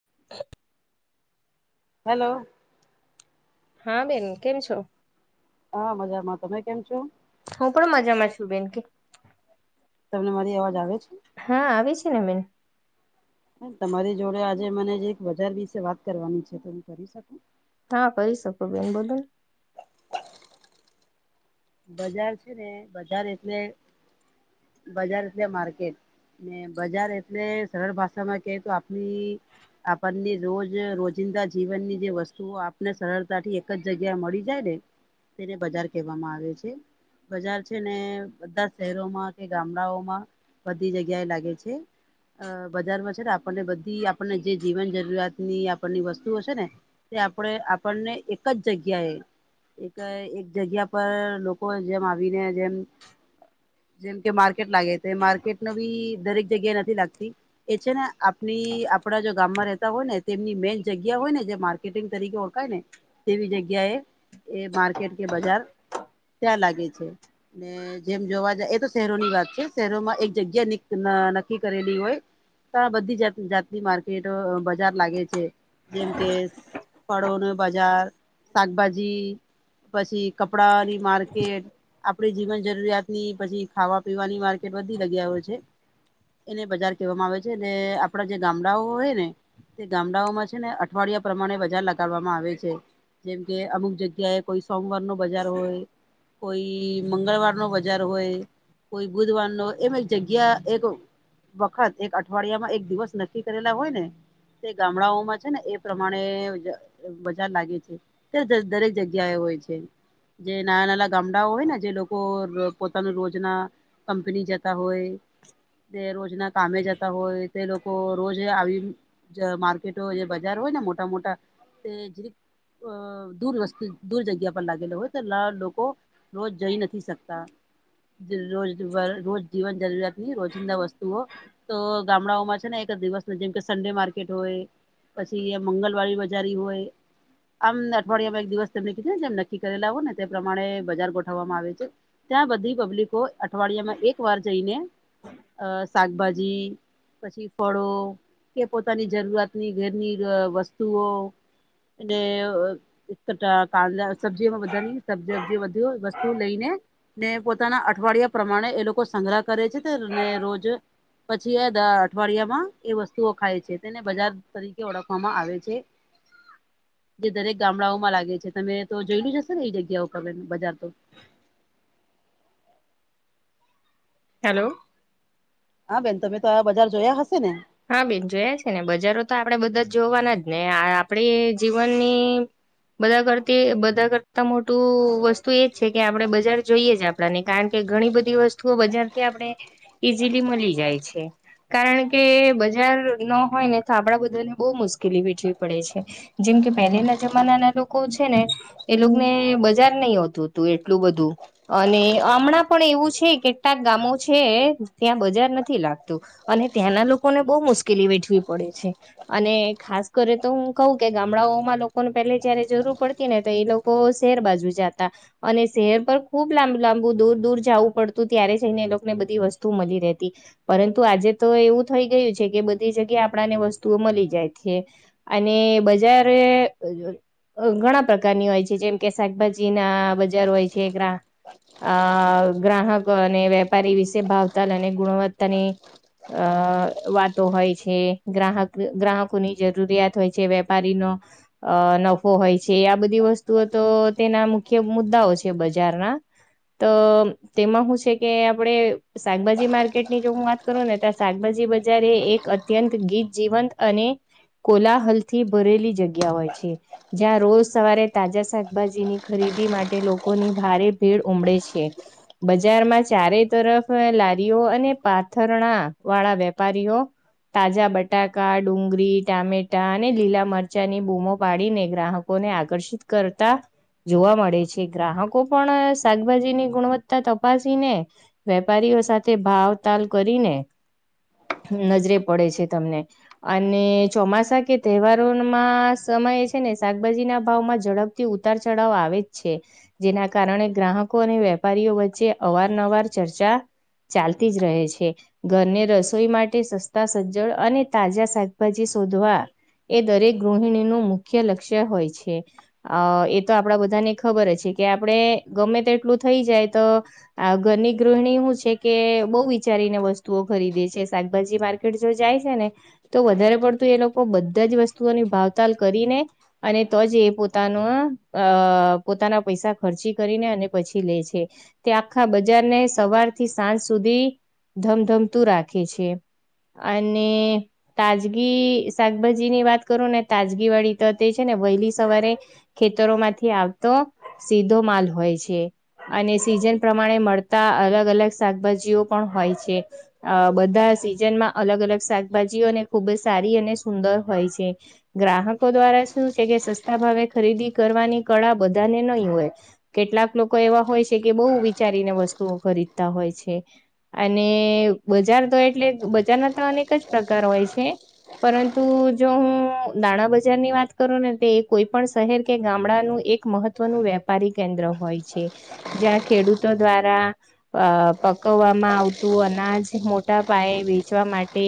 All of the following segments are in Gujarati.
[inaudible] હેલો. હા બેન કેમ છો? હા મજામાં. તમે કેમ છો? હું પણ મજામાં છું બેન કે તમને મારી અવાજ આવે છે? હા આવે છે ને બેન. તમારી જોડે આજે મને જે એક બજાર વિશે વાત કરવાની છે તો હું કરી શકું? હા કરી શકો બેન બોલો. બજાર છે ને બજાર એટલે બજાર એટલે માર્કેટ ને બજાર એટલે સરળ ભાષામાં કે તો આપની આપણને રોજ રોજિંદા જીવન ની જે વસ્તુઓ આપને સરળતા થી એક જ જગ્યા મળી જાય ને. તેને બજાર કહેવામાં આવે છે. બજાર છે ને, બધા શહેરોમાં ગામડાઓમાં બધી જગ્યા એ લાગે છે. અ બજારમાં છે ને, આપણને બધી આપણને જે જીવન જરૂરિયાત ની આપણની વસ્તુઓ છે ને. તે આપણે આપણને એક જ જગ્યાએ એક એક જગ્યા પર લો લોકો જેમ આવીને જેમ. જેમ કે માર્કેટ લાગે તે માર્કેટ બી દરેક જગ્યા નથી લાગતી. એ છે ને, આપણી આપણા જો ગામમાં રહેતા હોય. ને તેમની મેન જગ્યા હોય ને. જે માર્ટ માર્કેટિંગ તરીકે ઓળખાય ને, તેવી જગ્યા એ એ માર્કેટ કે બજાર. ત્યાં લાગે છે. ને જેમ જોવા જાય, એ તો શહેરોની વાત છે, શહેરો માં એક જગ્યા નક્કી કરેલી હોય. બધી જાત માર્કેટો બજાર લાગે છે, જેમ કે ફળો નો બજાર શાકભાજી પછી કપડાની માર્કેટ. કે, આપણી જીવન જરૂરિયાત ની પછી ખાવા પીવાની માર્કેટ વધી લગ્યા હોય છે. એને બજાર કહેવામાં આવે છે, અને આપણા જે ગામડાઓ હોય ને. તે ગામડાં છે ને, અઠવાડિયા પ્રમાણે બજાર લગડવામાં આવે છે. જેમ કે અમુક જગ્યાએ કોઈ સોમવાર નો બજાર હોય. કોઈ મંગળનો બજાર હોય, કોઈ બુધનો એમ એક જગ્યા એક વખત એક અઠવાડિયામાં એક દિવસ નક્કી કરેલા હોય ને. તે ગામડાઓમાં છે ને, એ પ્રમાણે બજાર લાગે છે. તે દરેક જગ્યા એ હોય છે, જે નાના નાના ગામડાઓ હોય ને, જે લોકો પોતાનું રોજના કંપની જતા હોય. તે રોજના કામે જતા હોય, તે લોકો રોજ આવી. જ માર્કેટોય હોય બજાર હોય ને મોટા મોટા તે જે. અ દૂર વસ્તી દૂર જગ્યા પર લાગેલો હોય તો લાડ. લોકો રોજ જઈ નથી શકતા. રોજ રોજ જીવન જરૂરિયાતની રોજિંદા વસ્તુઓ. તો ગામડાઓમાં છે ને, એક દિવસ જેમ કે સડે માર્કેટ હોય. પછી, મંગલવાડી બજારી હોય. આમ અઠવાડિયામાં એક દિવસ તેમને કીધે જેમ નક્કી કરેલાાવો ને તે પ્રમાણે બજાર ગોઠવવામાં આવે છે. ત્યાં બધી પબ્લિકો અઠવાડિયામાં એક વાર જઈને અ શાકભાજી પછી, ફળો કે પોતાની ઘરની વસ્તુઓ. અને એક કટા કાંદા સબ્જીમાં બધાની. સબજીબજી બધું વસ્તુ લઈ ને. ને પોતાના અઠવાડિયા પ્રમાણે એ લોકો સંગ્રહ કરે છે ને રોજ. પછી, એ અઠવાડિયામાં એ વસ્તુઓ ખાય છે. તેને બજાર તરીકે ઓળખવામાં આવે છે, જે દરેક ગામડાઓમાં છે, તમે તો જોયલું હશે ને એ જગ્યા. [unintelligible] હેલો. હા, બેન તમે તો આવા બજાર જોયા હશે ને. હા બેન જોયા છે ને, બજારો તો આપડણે બધા જોવાના જ ને આપડી જીવનની. બધા કરતી બધા કરતા મોટું વસ્તુ એજ છે કે, આપણે બજાર જોઈએ જ આપણે. આપણે ને કારણ કે ઘણી બધી વસ્તુઓ બજારથી આપણે. ઈઝીલી મળી જાય છે કારણ કે. બજાર ન હોય ને તો આપડા બધાને બહુ મુશ્કેલી વેઠવી પડે છે. જેમ કે પહેલેના જમાનાના લોકો છે ને. એલો ને બજાર નઈ હોતું હતું એટલું બધું અને હમણાં પણ એવું છે કેટલાક ગામો છે ત્યાં બજાર નથી લાગતું અને ત્યાંના લોકોને બહુ મુશ્કેલી વેઠવી પડે છે. અને ખાસ કરી તો હું કહ કે ગામડાઓમાં લોકોને પેલે જયારે જરૂર પડતી ને તો એ લોકો તો શેર બાજુ જતા. અને શહેર પર ખૂબ લાંબુ લાંબુ દૂર દૂર જવું પડતું ત્યારે જઈને એ લોકોને બધી વસ્તુ મળી રહેતી પરંતુ આજે તો એવું થઈ ગયું છે કે બધી જગ્યા આપણને વસ્તુઓ મળી જાય છે. અને બજારે ઘણા પ્રકારની હોય છે જેમ કે શાકભાજી ના બજાર હોય છે. અ ગ્રાહકો અને વેપારી વિશે ભાવતલ અને ગુણવત્તાની આ વાતો હોય છે ગ્રાહક ગ્રાહકોની જરૂરિયાત હોય છે વેપારીનો અ નફો હોય છે આ બધી વસ્તુઓ તો તેના મુખ્ય મુદ્દાઓ છે બજારના તો તેમાં શું છે કે આપણે શાકભાજીના માર્કેટની જો હું વાત કરું ને તો શાકભાજી જ્યારે એક અત્યંત ગીત જીવંત અને. કોલાહલ થી ભરેલી જગ્યા હોય છે. જ્યાં રોજ સવારે તાજા શાકભાજીની ખરીદી માટે લોકોની ભારે ભીડ ઉમડે છે બજારમાં ચારે તરફ લારીઓ અને પાથરણા વાળા વેપ પારીઓ તાજા બટાકા ડુંગરીી ટામેટા અને લીલા મરચા ની બૂમો પાડી ને ગ્રાહકો લોકોને આકર્ષિત કરતા જોવા મળે છે ગ્રાહકો પણ શાકભાજીની ગુણવત્તા તપાસીને વેપારીઓ સાથે ભાવ તાલ કરીને નજરે પડે છે તમને અને ચોમાસા કે તહેવારોમાં સમય છે ને શાકભાજી ના ભાવ માં ઝડપ થી ઉતાર ચઢાવ આવે જ છે. જેના કારણે ગ્રાહકો અને વેપારીઓ વચ્ચે અવારનવાર ચર્ચા ચાલતી જ રહે છે ઘરને રસ રસોઈ માટે સસ્તા અને શાકભાજી શોધવા ગૃહિણીનું મુખ્ય લક્ષ્ય હોય છે. અ એ તો આપડા બધાને ખબર જ છે કે આપડણે ગમે તે એટલું થઈ જાય. તો ઘરની ગૃહિણી શું છે કે બહ વિચારીને વસ્તુઓ ખરીદે છે. શાકભાજી માર્કેટ જો જાય છે ને તો વધારે પડતું એ લોકો તો બધા જ વસ્તુઓની ભાવતાલ કરીને અને તો જ એ પોતાનો અ પોતાના પૈસા ખર્ચી કરીને અને પછી લે છે. તે આખા બજારને સવાર થી સાંજ સુધી ધમધમતું રાખે છે. અને તાજગી શાકભાજીની વાત કરું ને તાજગી વાળી તો તે છે ને વહેલી સવારે ખેતરો માંથી આવતો સીધો માલ હોય છે. અને સિઝન પ્રમાણે મળતા અલગ અલગ શાકભાજીઓ પણ હોય છે. અ બધા સિઝનમાં અલગ અલગ શાકભાજીઓને ખુબ જ સારી અને સુંદર હોય છે. ગ્રાહકો દ્વારા શું છે કે સસ્તા ભાવે ખરીદી કરવાની કળા બધાને નહી હોય કેટલાક લોકો એવા હોય છે કે બહુ વિચારીને વસ્તુઓ ખરીદતા હોય છે. અને બજાર તો એટલે બજારના તો અનેક જ પ્રકાર હોય છે. પરંતુ જો હું દાણા બજારની વાત કરું ને તો કોઈ પણ શહેર કે ગામડાનું એક મહત્વનું વેપારી કેન્દ્ર હોય છે. જ્યાં ખેડૂતો દ્વારા અ પકવવામાં આવતું અનાજ જે મોટા પાયે વેચવા માટે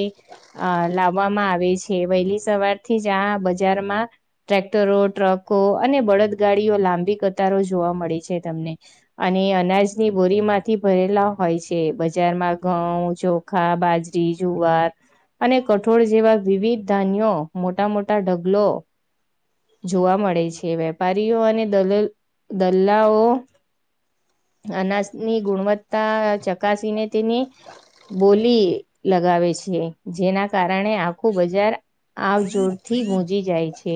અ લાવવામાં આવે છે વહેલી સવાર થી જ આ બજારમાં ટ્રેક્ટરો, ટ્રકો અને બળદગાડીઓ લાંબી કતારો જોવા મળી છે તમને. અને અનાજની બોરી માંથી ભરેલા હોય છે. બજારમાં ઘઉં ચોખા, બાજરી, જુવાર અને કઠોળ જેવા વિવિધ ધાન્યો મોટા -મોટા ઢગલો જોવા મળે છે. વેપારીઓ અને દલ દલ્લાઓ અનાજની ગુણવત્તા ચકાસીને તેની બોલી લગાવે છે. જેના કારણે આખું બજાર આવ જોરથી ગુંજી જાય છે.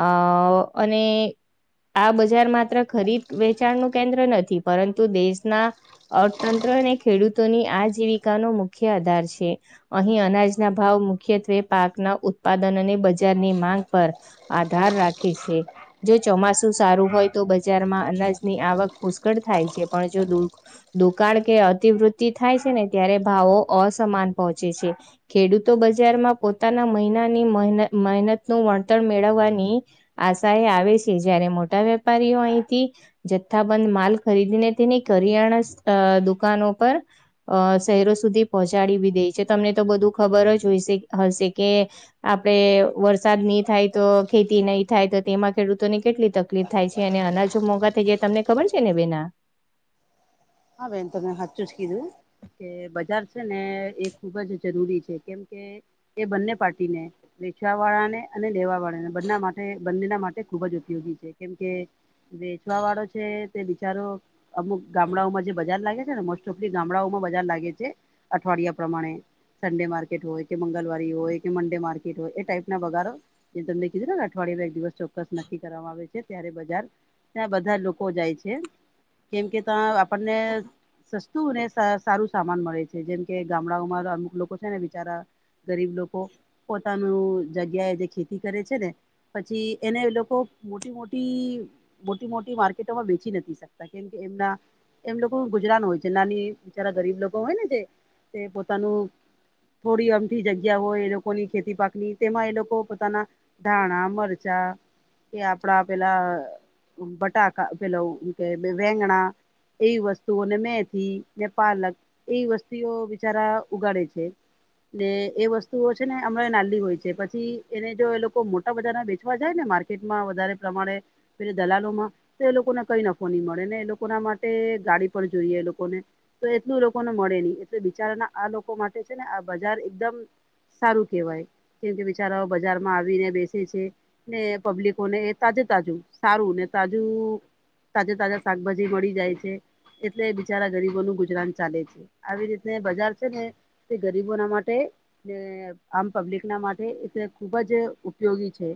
અ અને આ બજાર માત્ર ખરીદ વેચાણ નું કેન્દ્ર નથી પરંતુ દેશના અર્થતંત્ર ને ખેડૂતોની આજીવિકા નો મુખ્ય આધાર છે. અહીં અનાજના ભાવ મુખ્યત્વે પાકના ઉત્પાદન અને બજારની માંગ પર આધાર રાખે છે. જો ચોમાસું સારું હોય તો બજારમાં અનાજની આવક પુષ્કળ થાય છે પણ જો દુ દુકાળ કે અતિવૃત્તિ થાય છે ને ત્યારે ભાવો અસમાન પહોંચે છે. ખેડૂતો બજાર માં પોતાના મહિનાની મહેનત નું વળતર મેળવવાની આશાએ આવે છે જયારે મોટા વેપારીઓ અહીથી જથ્થાબંધ માલ ખરીદીને તેની કરિયાણા અ દુકાનો પર અ શહેરો સુદી પહોંચાડી બી દેય છે તમને તો બધું ખબર જ હોયશે હશે કે આપડે વરસાદ નહી થાય તો ખેતી નહી થાય તો તેમાં ખેડૂતોને કેટલી તક તકલીફ થાય છે, અને અનાજો મોંઘા થઈ જાય તમને ખબર છે ને બેન આ? હાં, બેન તમે હાચુંજ કીધું. કે બજાર છે ને એ ખુબ જ જરૂરી છે કેમ કે એ બંને પાર્ટીને વેચવા વાળાને અને લેવા વાળાને બને માટે બંનેના માટે ખુબ જ ઉપયોગી છે કેમ કે વેચવા વાળો છે તે બિચારો અમુક ગામડાઓમાં જ બજાર લાગે છે ને મોસ્ટ ઓફલી ગામડાઓમાં બજાર લાગે છે અઠવાડિયા પ્રમાણે. સન્ડે માર્કેટ હોય કે મંગલવારી હોય કે મનડે માર્કેટ હોય એ ટાાઈપ ના વગારો. જે તમને કીધું ને અઠવાડિયામાં એક દિવસ ચોક્કસ નક્કી કરવામાં આવે છે ત્યારે બજાર ત્યાં બધા લોકો જાય છે. કેમ કે ત્યા આપણને સસ્તું ને સારું સામાન મળે છે. જેમ કે ગામડાઓમાં અમુક લોકો છે ને બિચારા ગરીબ લોકો પોતાનું જગ્યાએ જે ખેતી કરે છે ને પછી એને લોકો મોટી -મોટી મોટી -મોટી માર્કેટોમાં વેચી નથી શકતા. કેમ કે એમના એમ લોકો ગુજરાન હોય છે. નાની બિચારા ગરીબ લોકો હોય ને જે તે પોતાનું થોડી અમઠી જગ્યા હોય એ લોકોની ખેતી પાક ની તેમાં એ લોકો પોતાના ધાણા, મરચા કે આપડા પેલા બટાકા પેલા હું કે વેંગણા એવી વસ્તુઓને મેથી ને પાલક એવી વસ્તીઓ બિચારા ઉગાડે છે. ને એ વસ્તુઓ છે ને હમણાં નાલી હોય છે પછી એને જો એ લોકો મોટા બજાર ના વેચવા જાય ને માર્કે કેટ માં વધારે પ્રમાણે પેલો દલાલોમાં તો એ લોકોને કઈ નફો નહી મળે ને એ લોકોના મા ટે ગાડી પર જોઈએ એ લોકોને. તો એટલું લોકોને મળે નહી એટલે બિચારાના આ લોકો માટે છે ને આ બજાર એકદમ સારું કેવાય કેમ કે બિચારાઓ બજારમાં આવીને બેસે છે. ને પબ્લિકો ને એ તાજે તાજું સારું ને તાજું તાજા તાજા શાકભાજી મળી જાય છે એટલે બિચારા ગરીબો નું ગુજરાન ચાલે છે. આવી રીતે બધા છે ને તે ગરીબો ના માટે કે આમ પબ્લિક ના માટે એ ખુબ જ ઉપયોગી છે.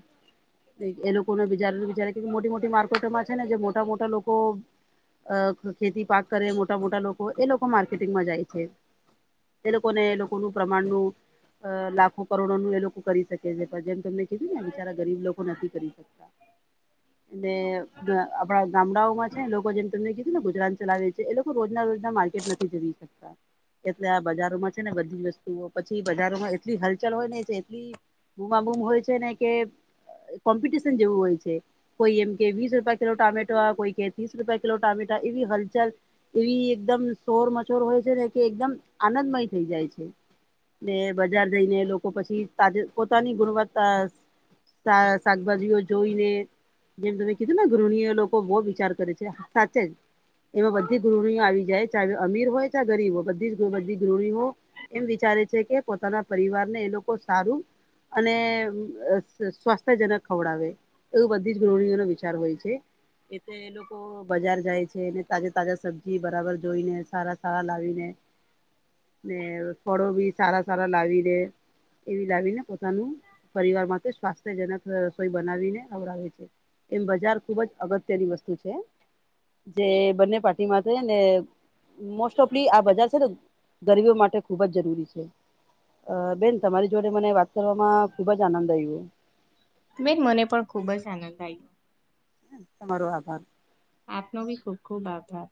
એ લોકોને [unintelligible] મોટી મોટી માર્કેટમાં છે ને જે મોટા મોટા લોકો અ ખેતી પાક કરે મોટા મોટા લોકો એ લોકો માર્કેટિંગમાં જાય છે. એ લોકો ને એ લોકોનું પ્રમાણ નુ અ લાખો કરોડો નું એ લોકો કરી શકે છે પણ જેમ તમને કીધું ને બિચારા ગરીબ લોકો નથી કરી ને આપડા ગામડાઓમાં છે લોકો જે તમને કીધુંને ગુજરાન ચલાવે છે એ લોકો રોજના રોજ માર્કેટ નથી જઇ શકતા. એટલે આ બજારોમાં છે ને બધી જ વસ્તુઓ પછી બજારોમાં એટલી હલચલ હોય ને એટલી બૂમા બૂમ હોય છે ને કે કોમ્પિટિશન જેવું હોય છે કોઈ એમ કે વીસ રૂપિયા કિલો ટામેટો કોઈ કે ત્રીસ રૂપિયા લો ટમેટા એવી હલચલ એવી એકદમ શોર મચોર હોય છે ને કે એકદમ આનંદમય થઈ જાય છે. ને બજાર જઈને લોકો પછી તાજે પોતાની ગુણવત્તા ત્યાં શાકભાજીઓ જોઈને જેમ તમે કીધું ને ગૃહણીય લોકો બહુ વિચાર કરે છે. સાચે જ એમાં બધી ગૃહિણીઓ આવી જાય ચાહે અમીર હોય ચાહે ગરીબ હોય. [unintelligible] ગૃણીઓ એમ વિચારે છે કે પોતાના પરિવાર ને એ લોકો સારું અને અ ય સ્વાસ્થ્યજનક ખવડાવે એવું બધી જ ગૃહણીઓનો વિચાર હોય છે એટલે એ લોકો બજાર જાય છે અનેને તાજા તાજા સબ્જી બરાબર જોઈને સારા સારા લાવીને ને ફળો બી સારા સારા લાવી ને એવી લાવીને પોતાનું પરિવાર માટે સ્વાસ્થ્યજનક રસોઈ બનાવીને ખવડાવે છે. એમ બજાર ખુબ જ અગત્યની વસ્તુ છે. જે બંને પાર્ટીમાં છે ને મોસ્ટ ઓફલી આ બજાર છે ને ગરીબી માટે ખુબ જ જરૂરી છે. અ બેન તમારી જોડે મને વાત કરવામાં ખુબ જ આનંદ આવ્યો. બેન મને પણ ખુબ જ આનંદ આવ્યો. તમારો આભાર. આપનો બી ખુબ ખુબ આભાર.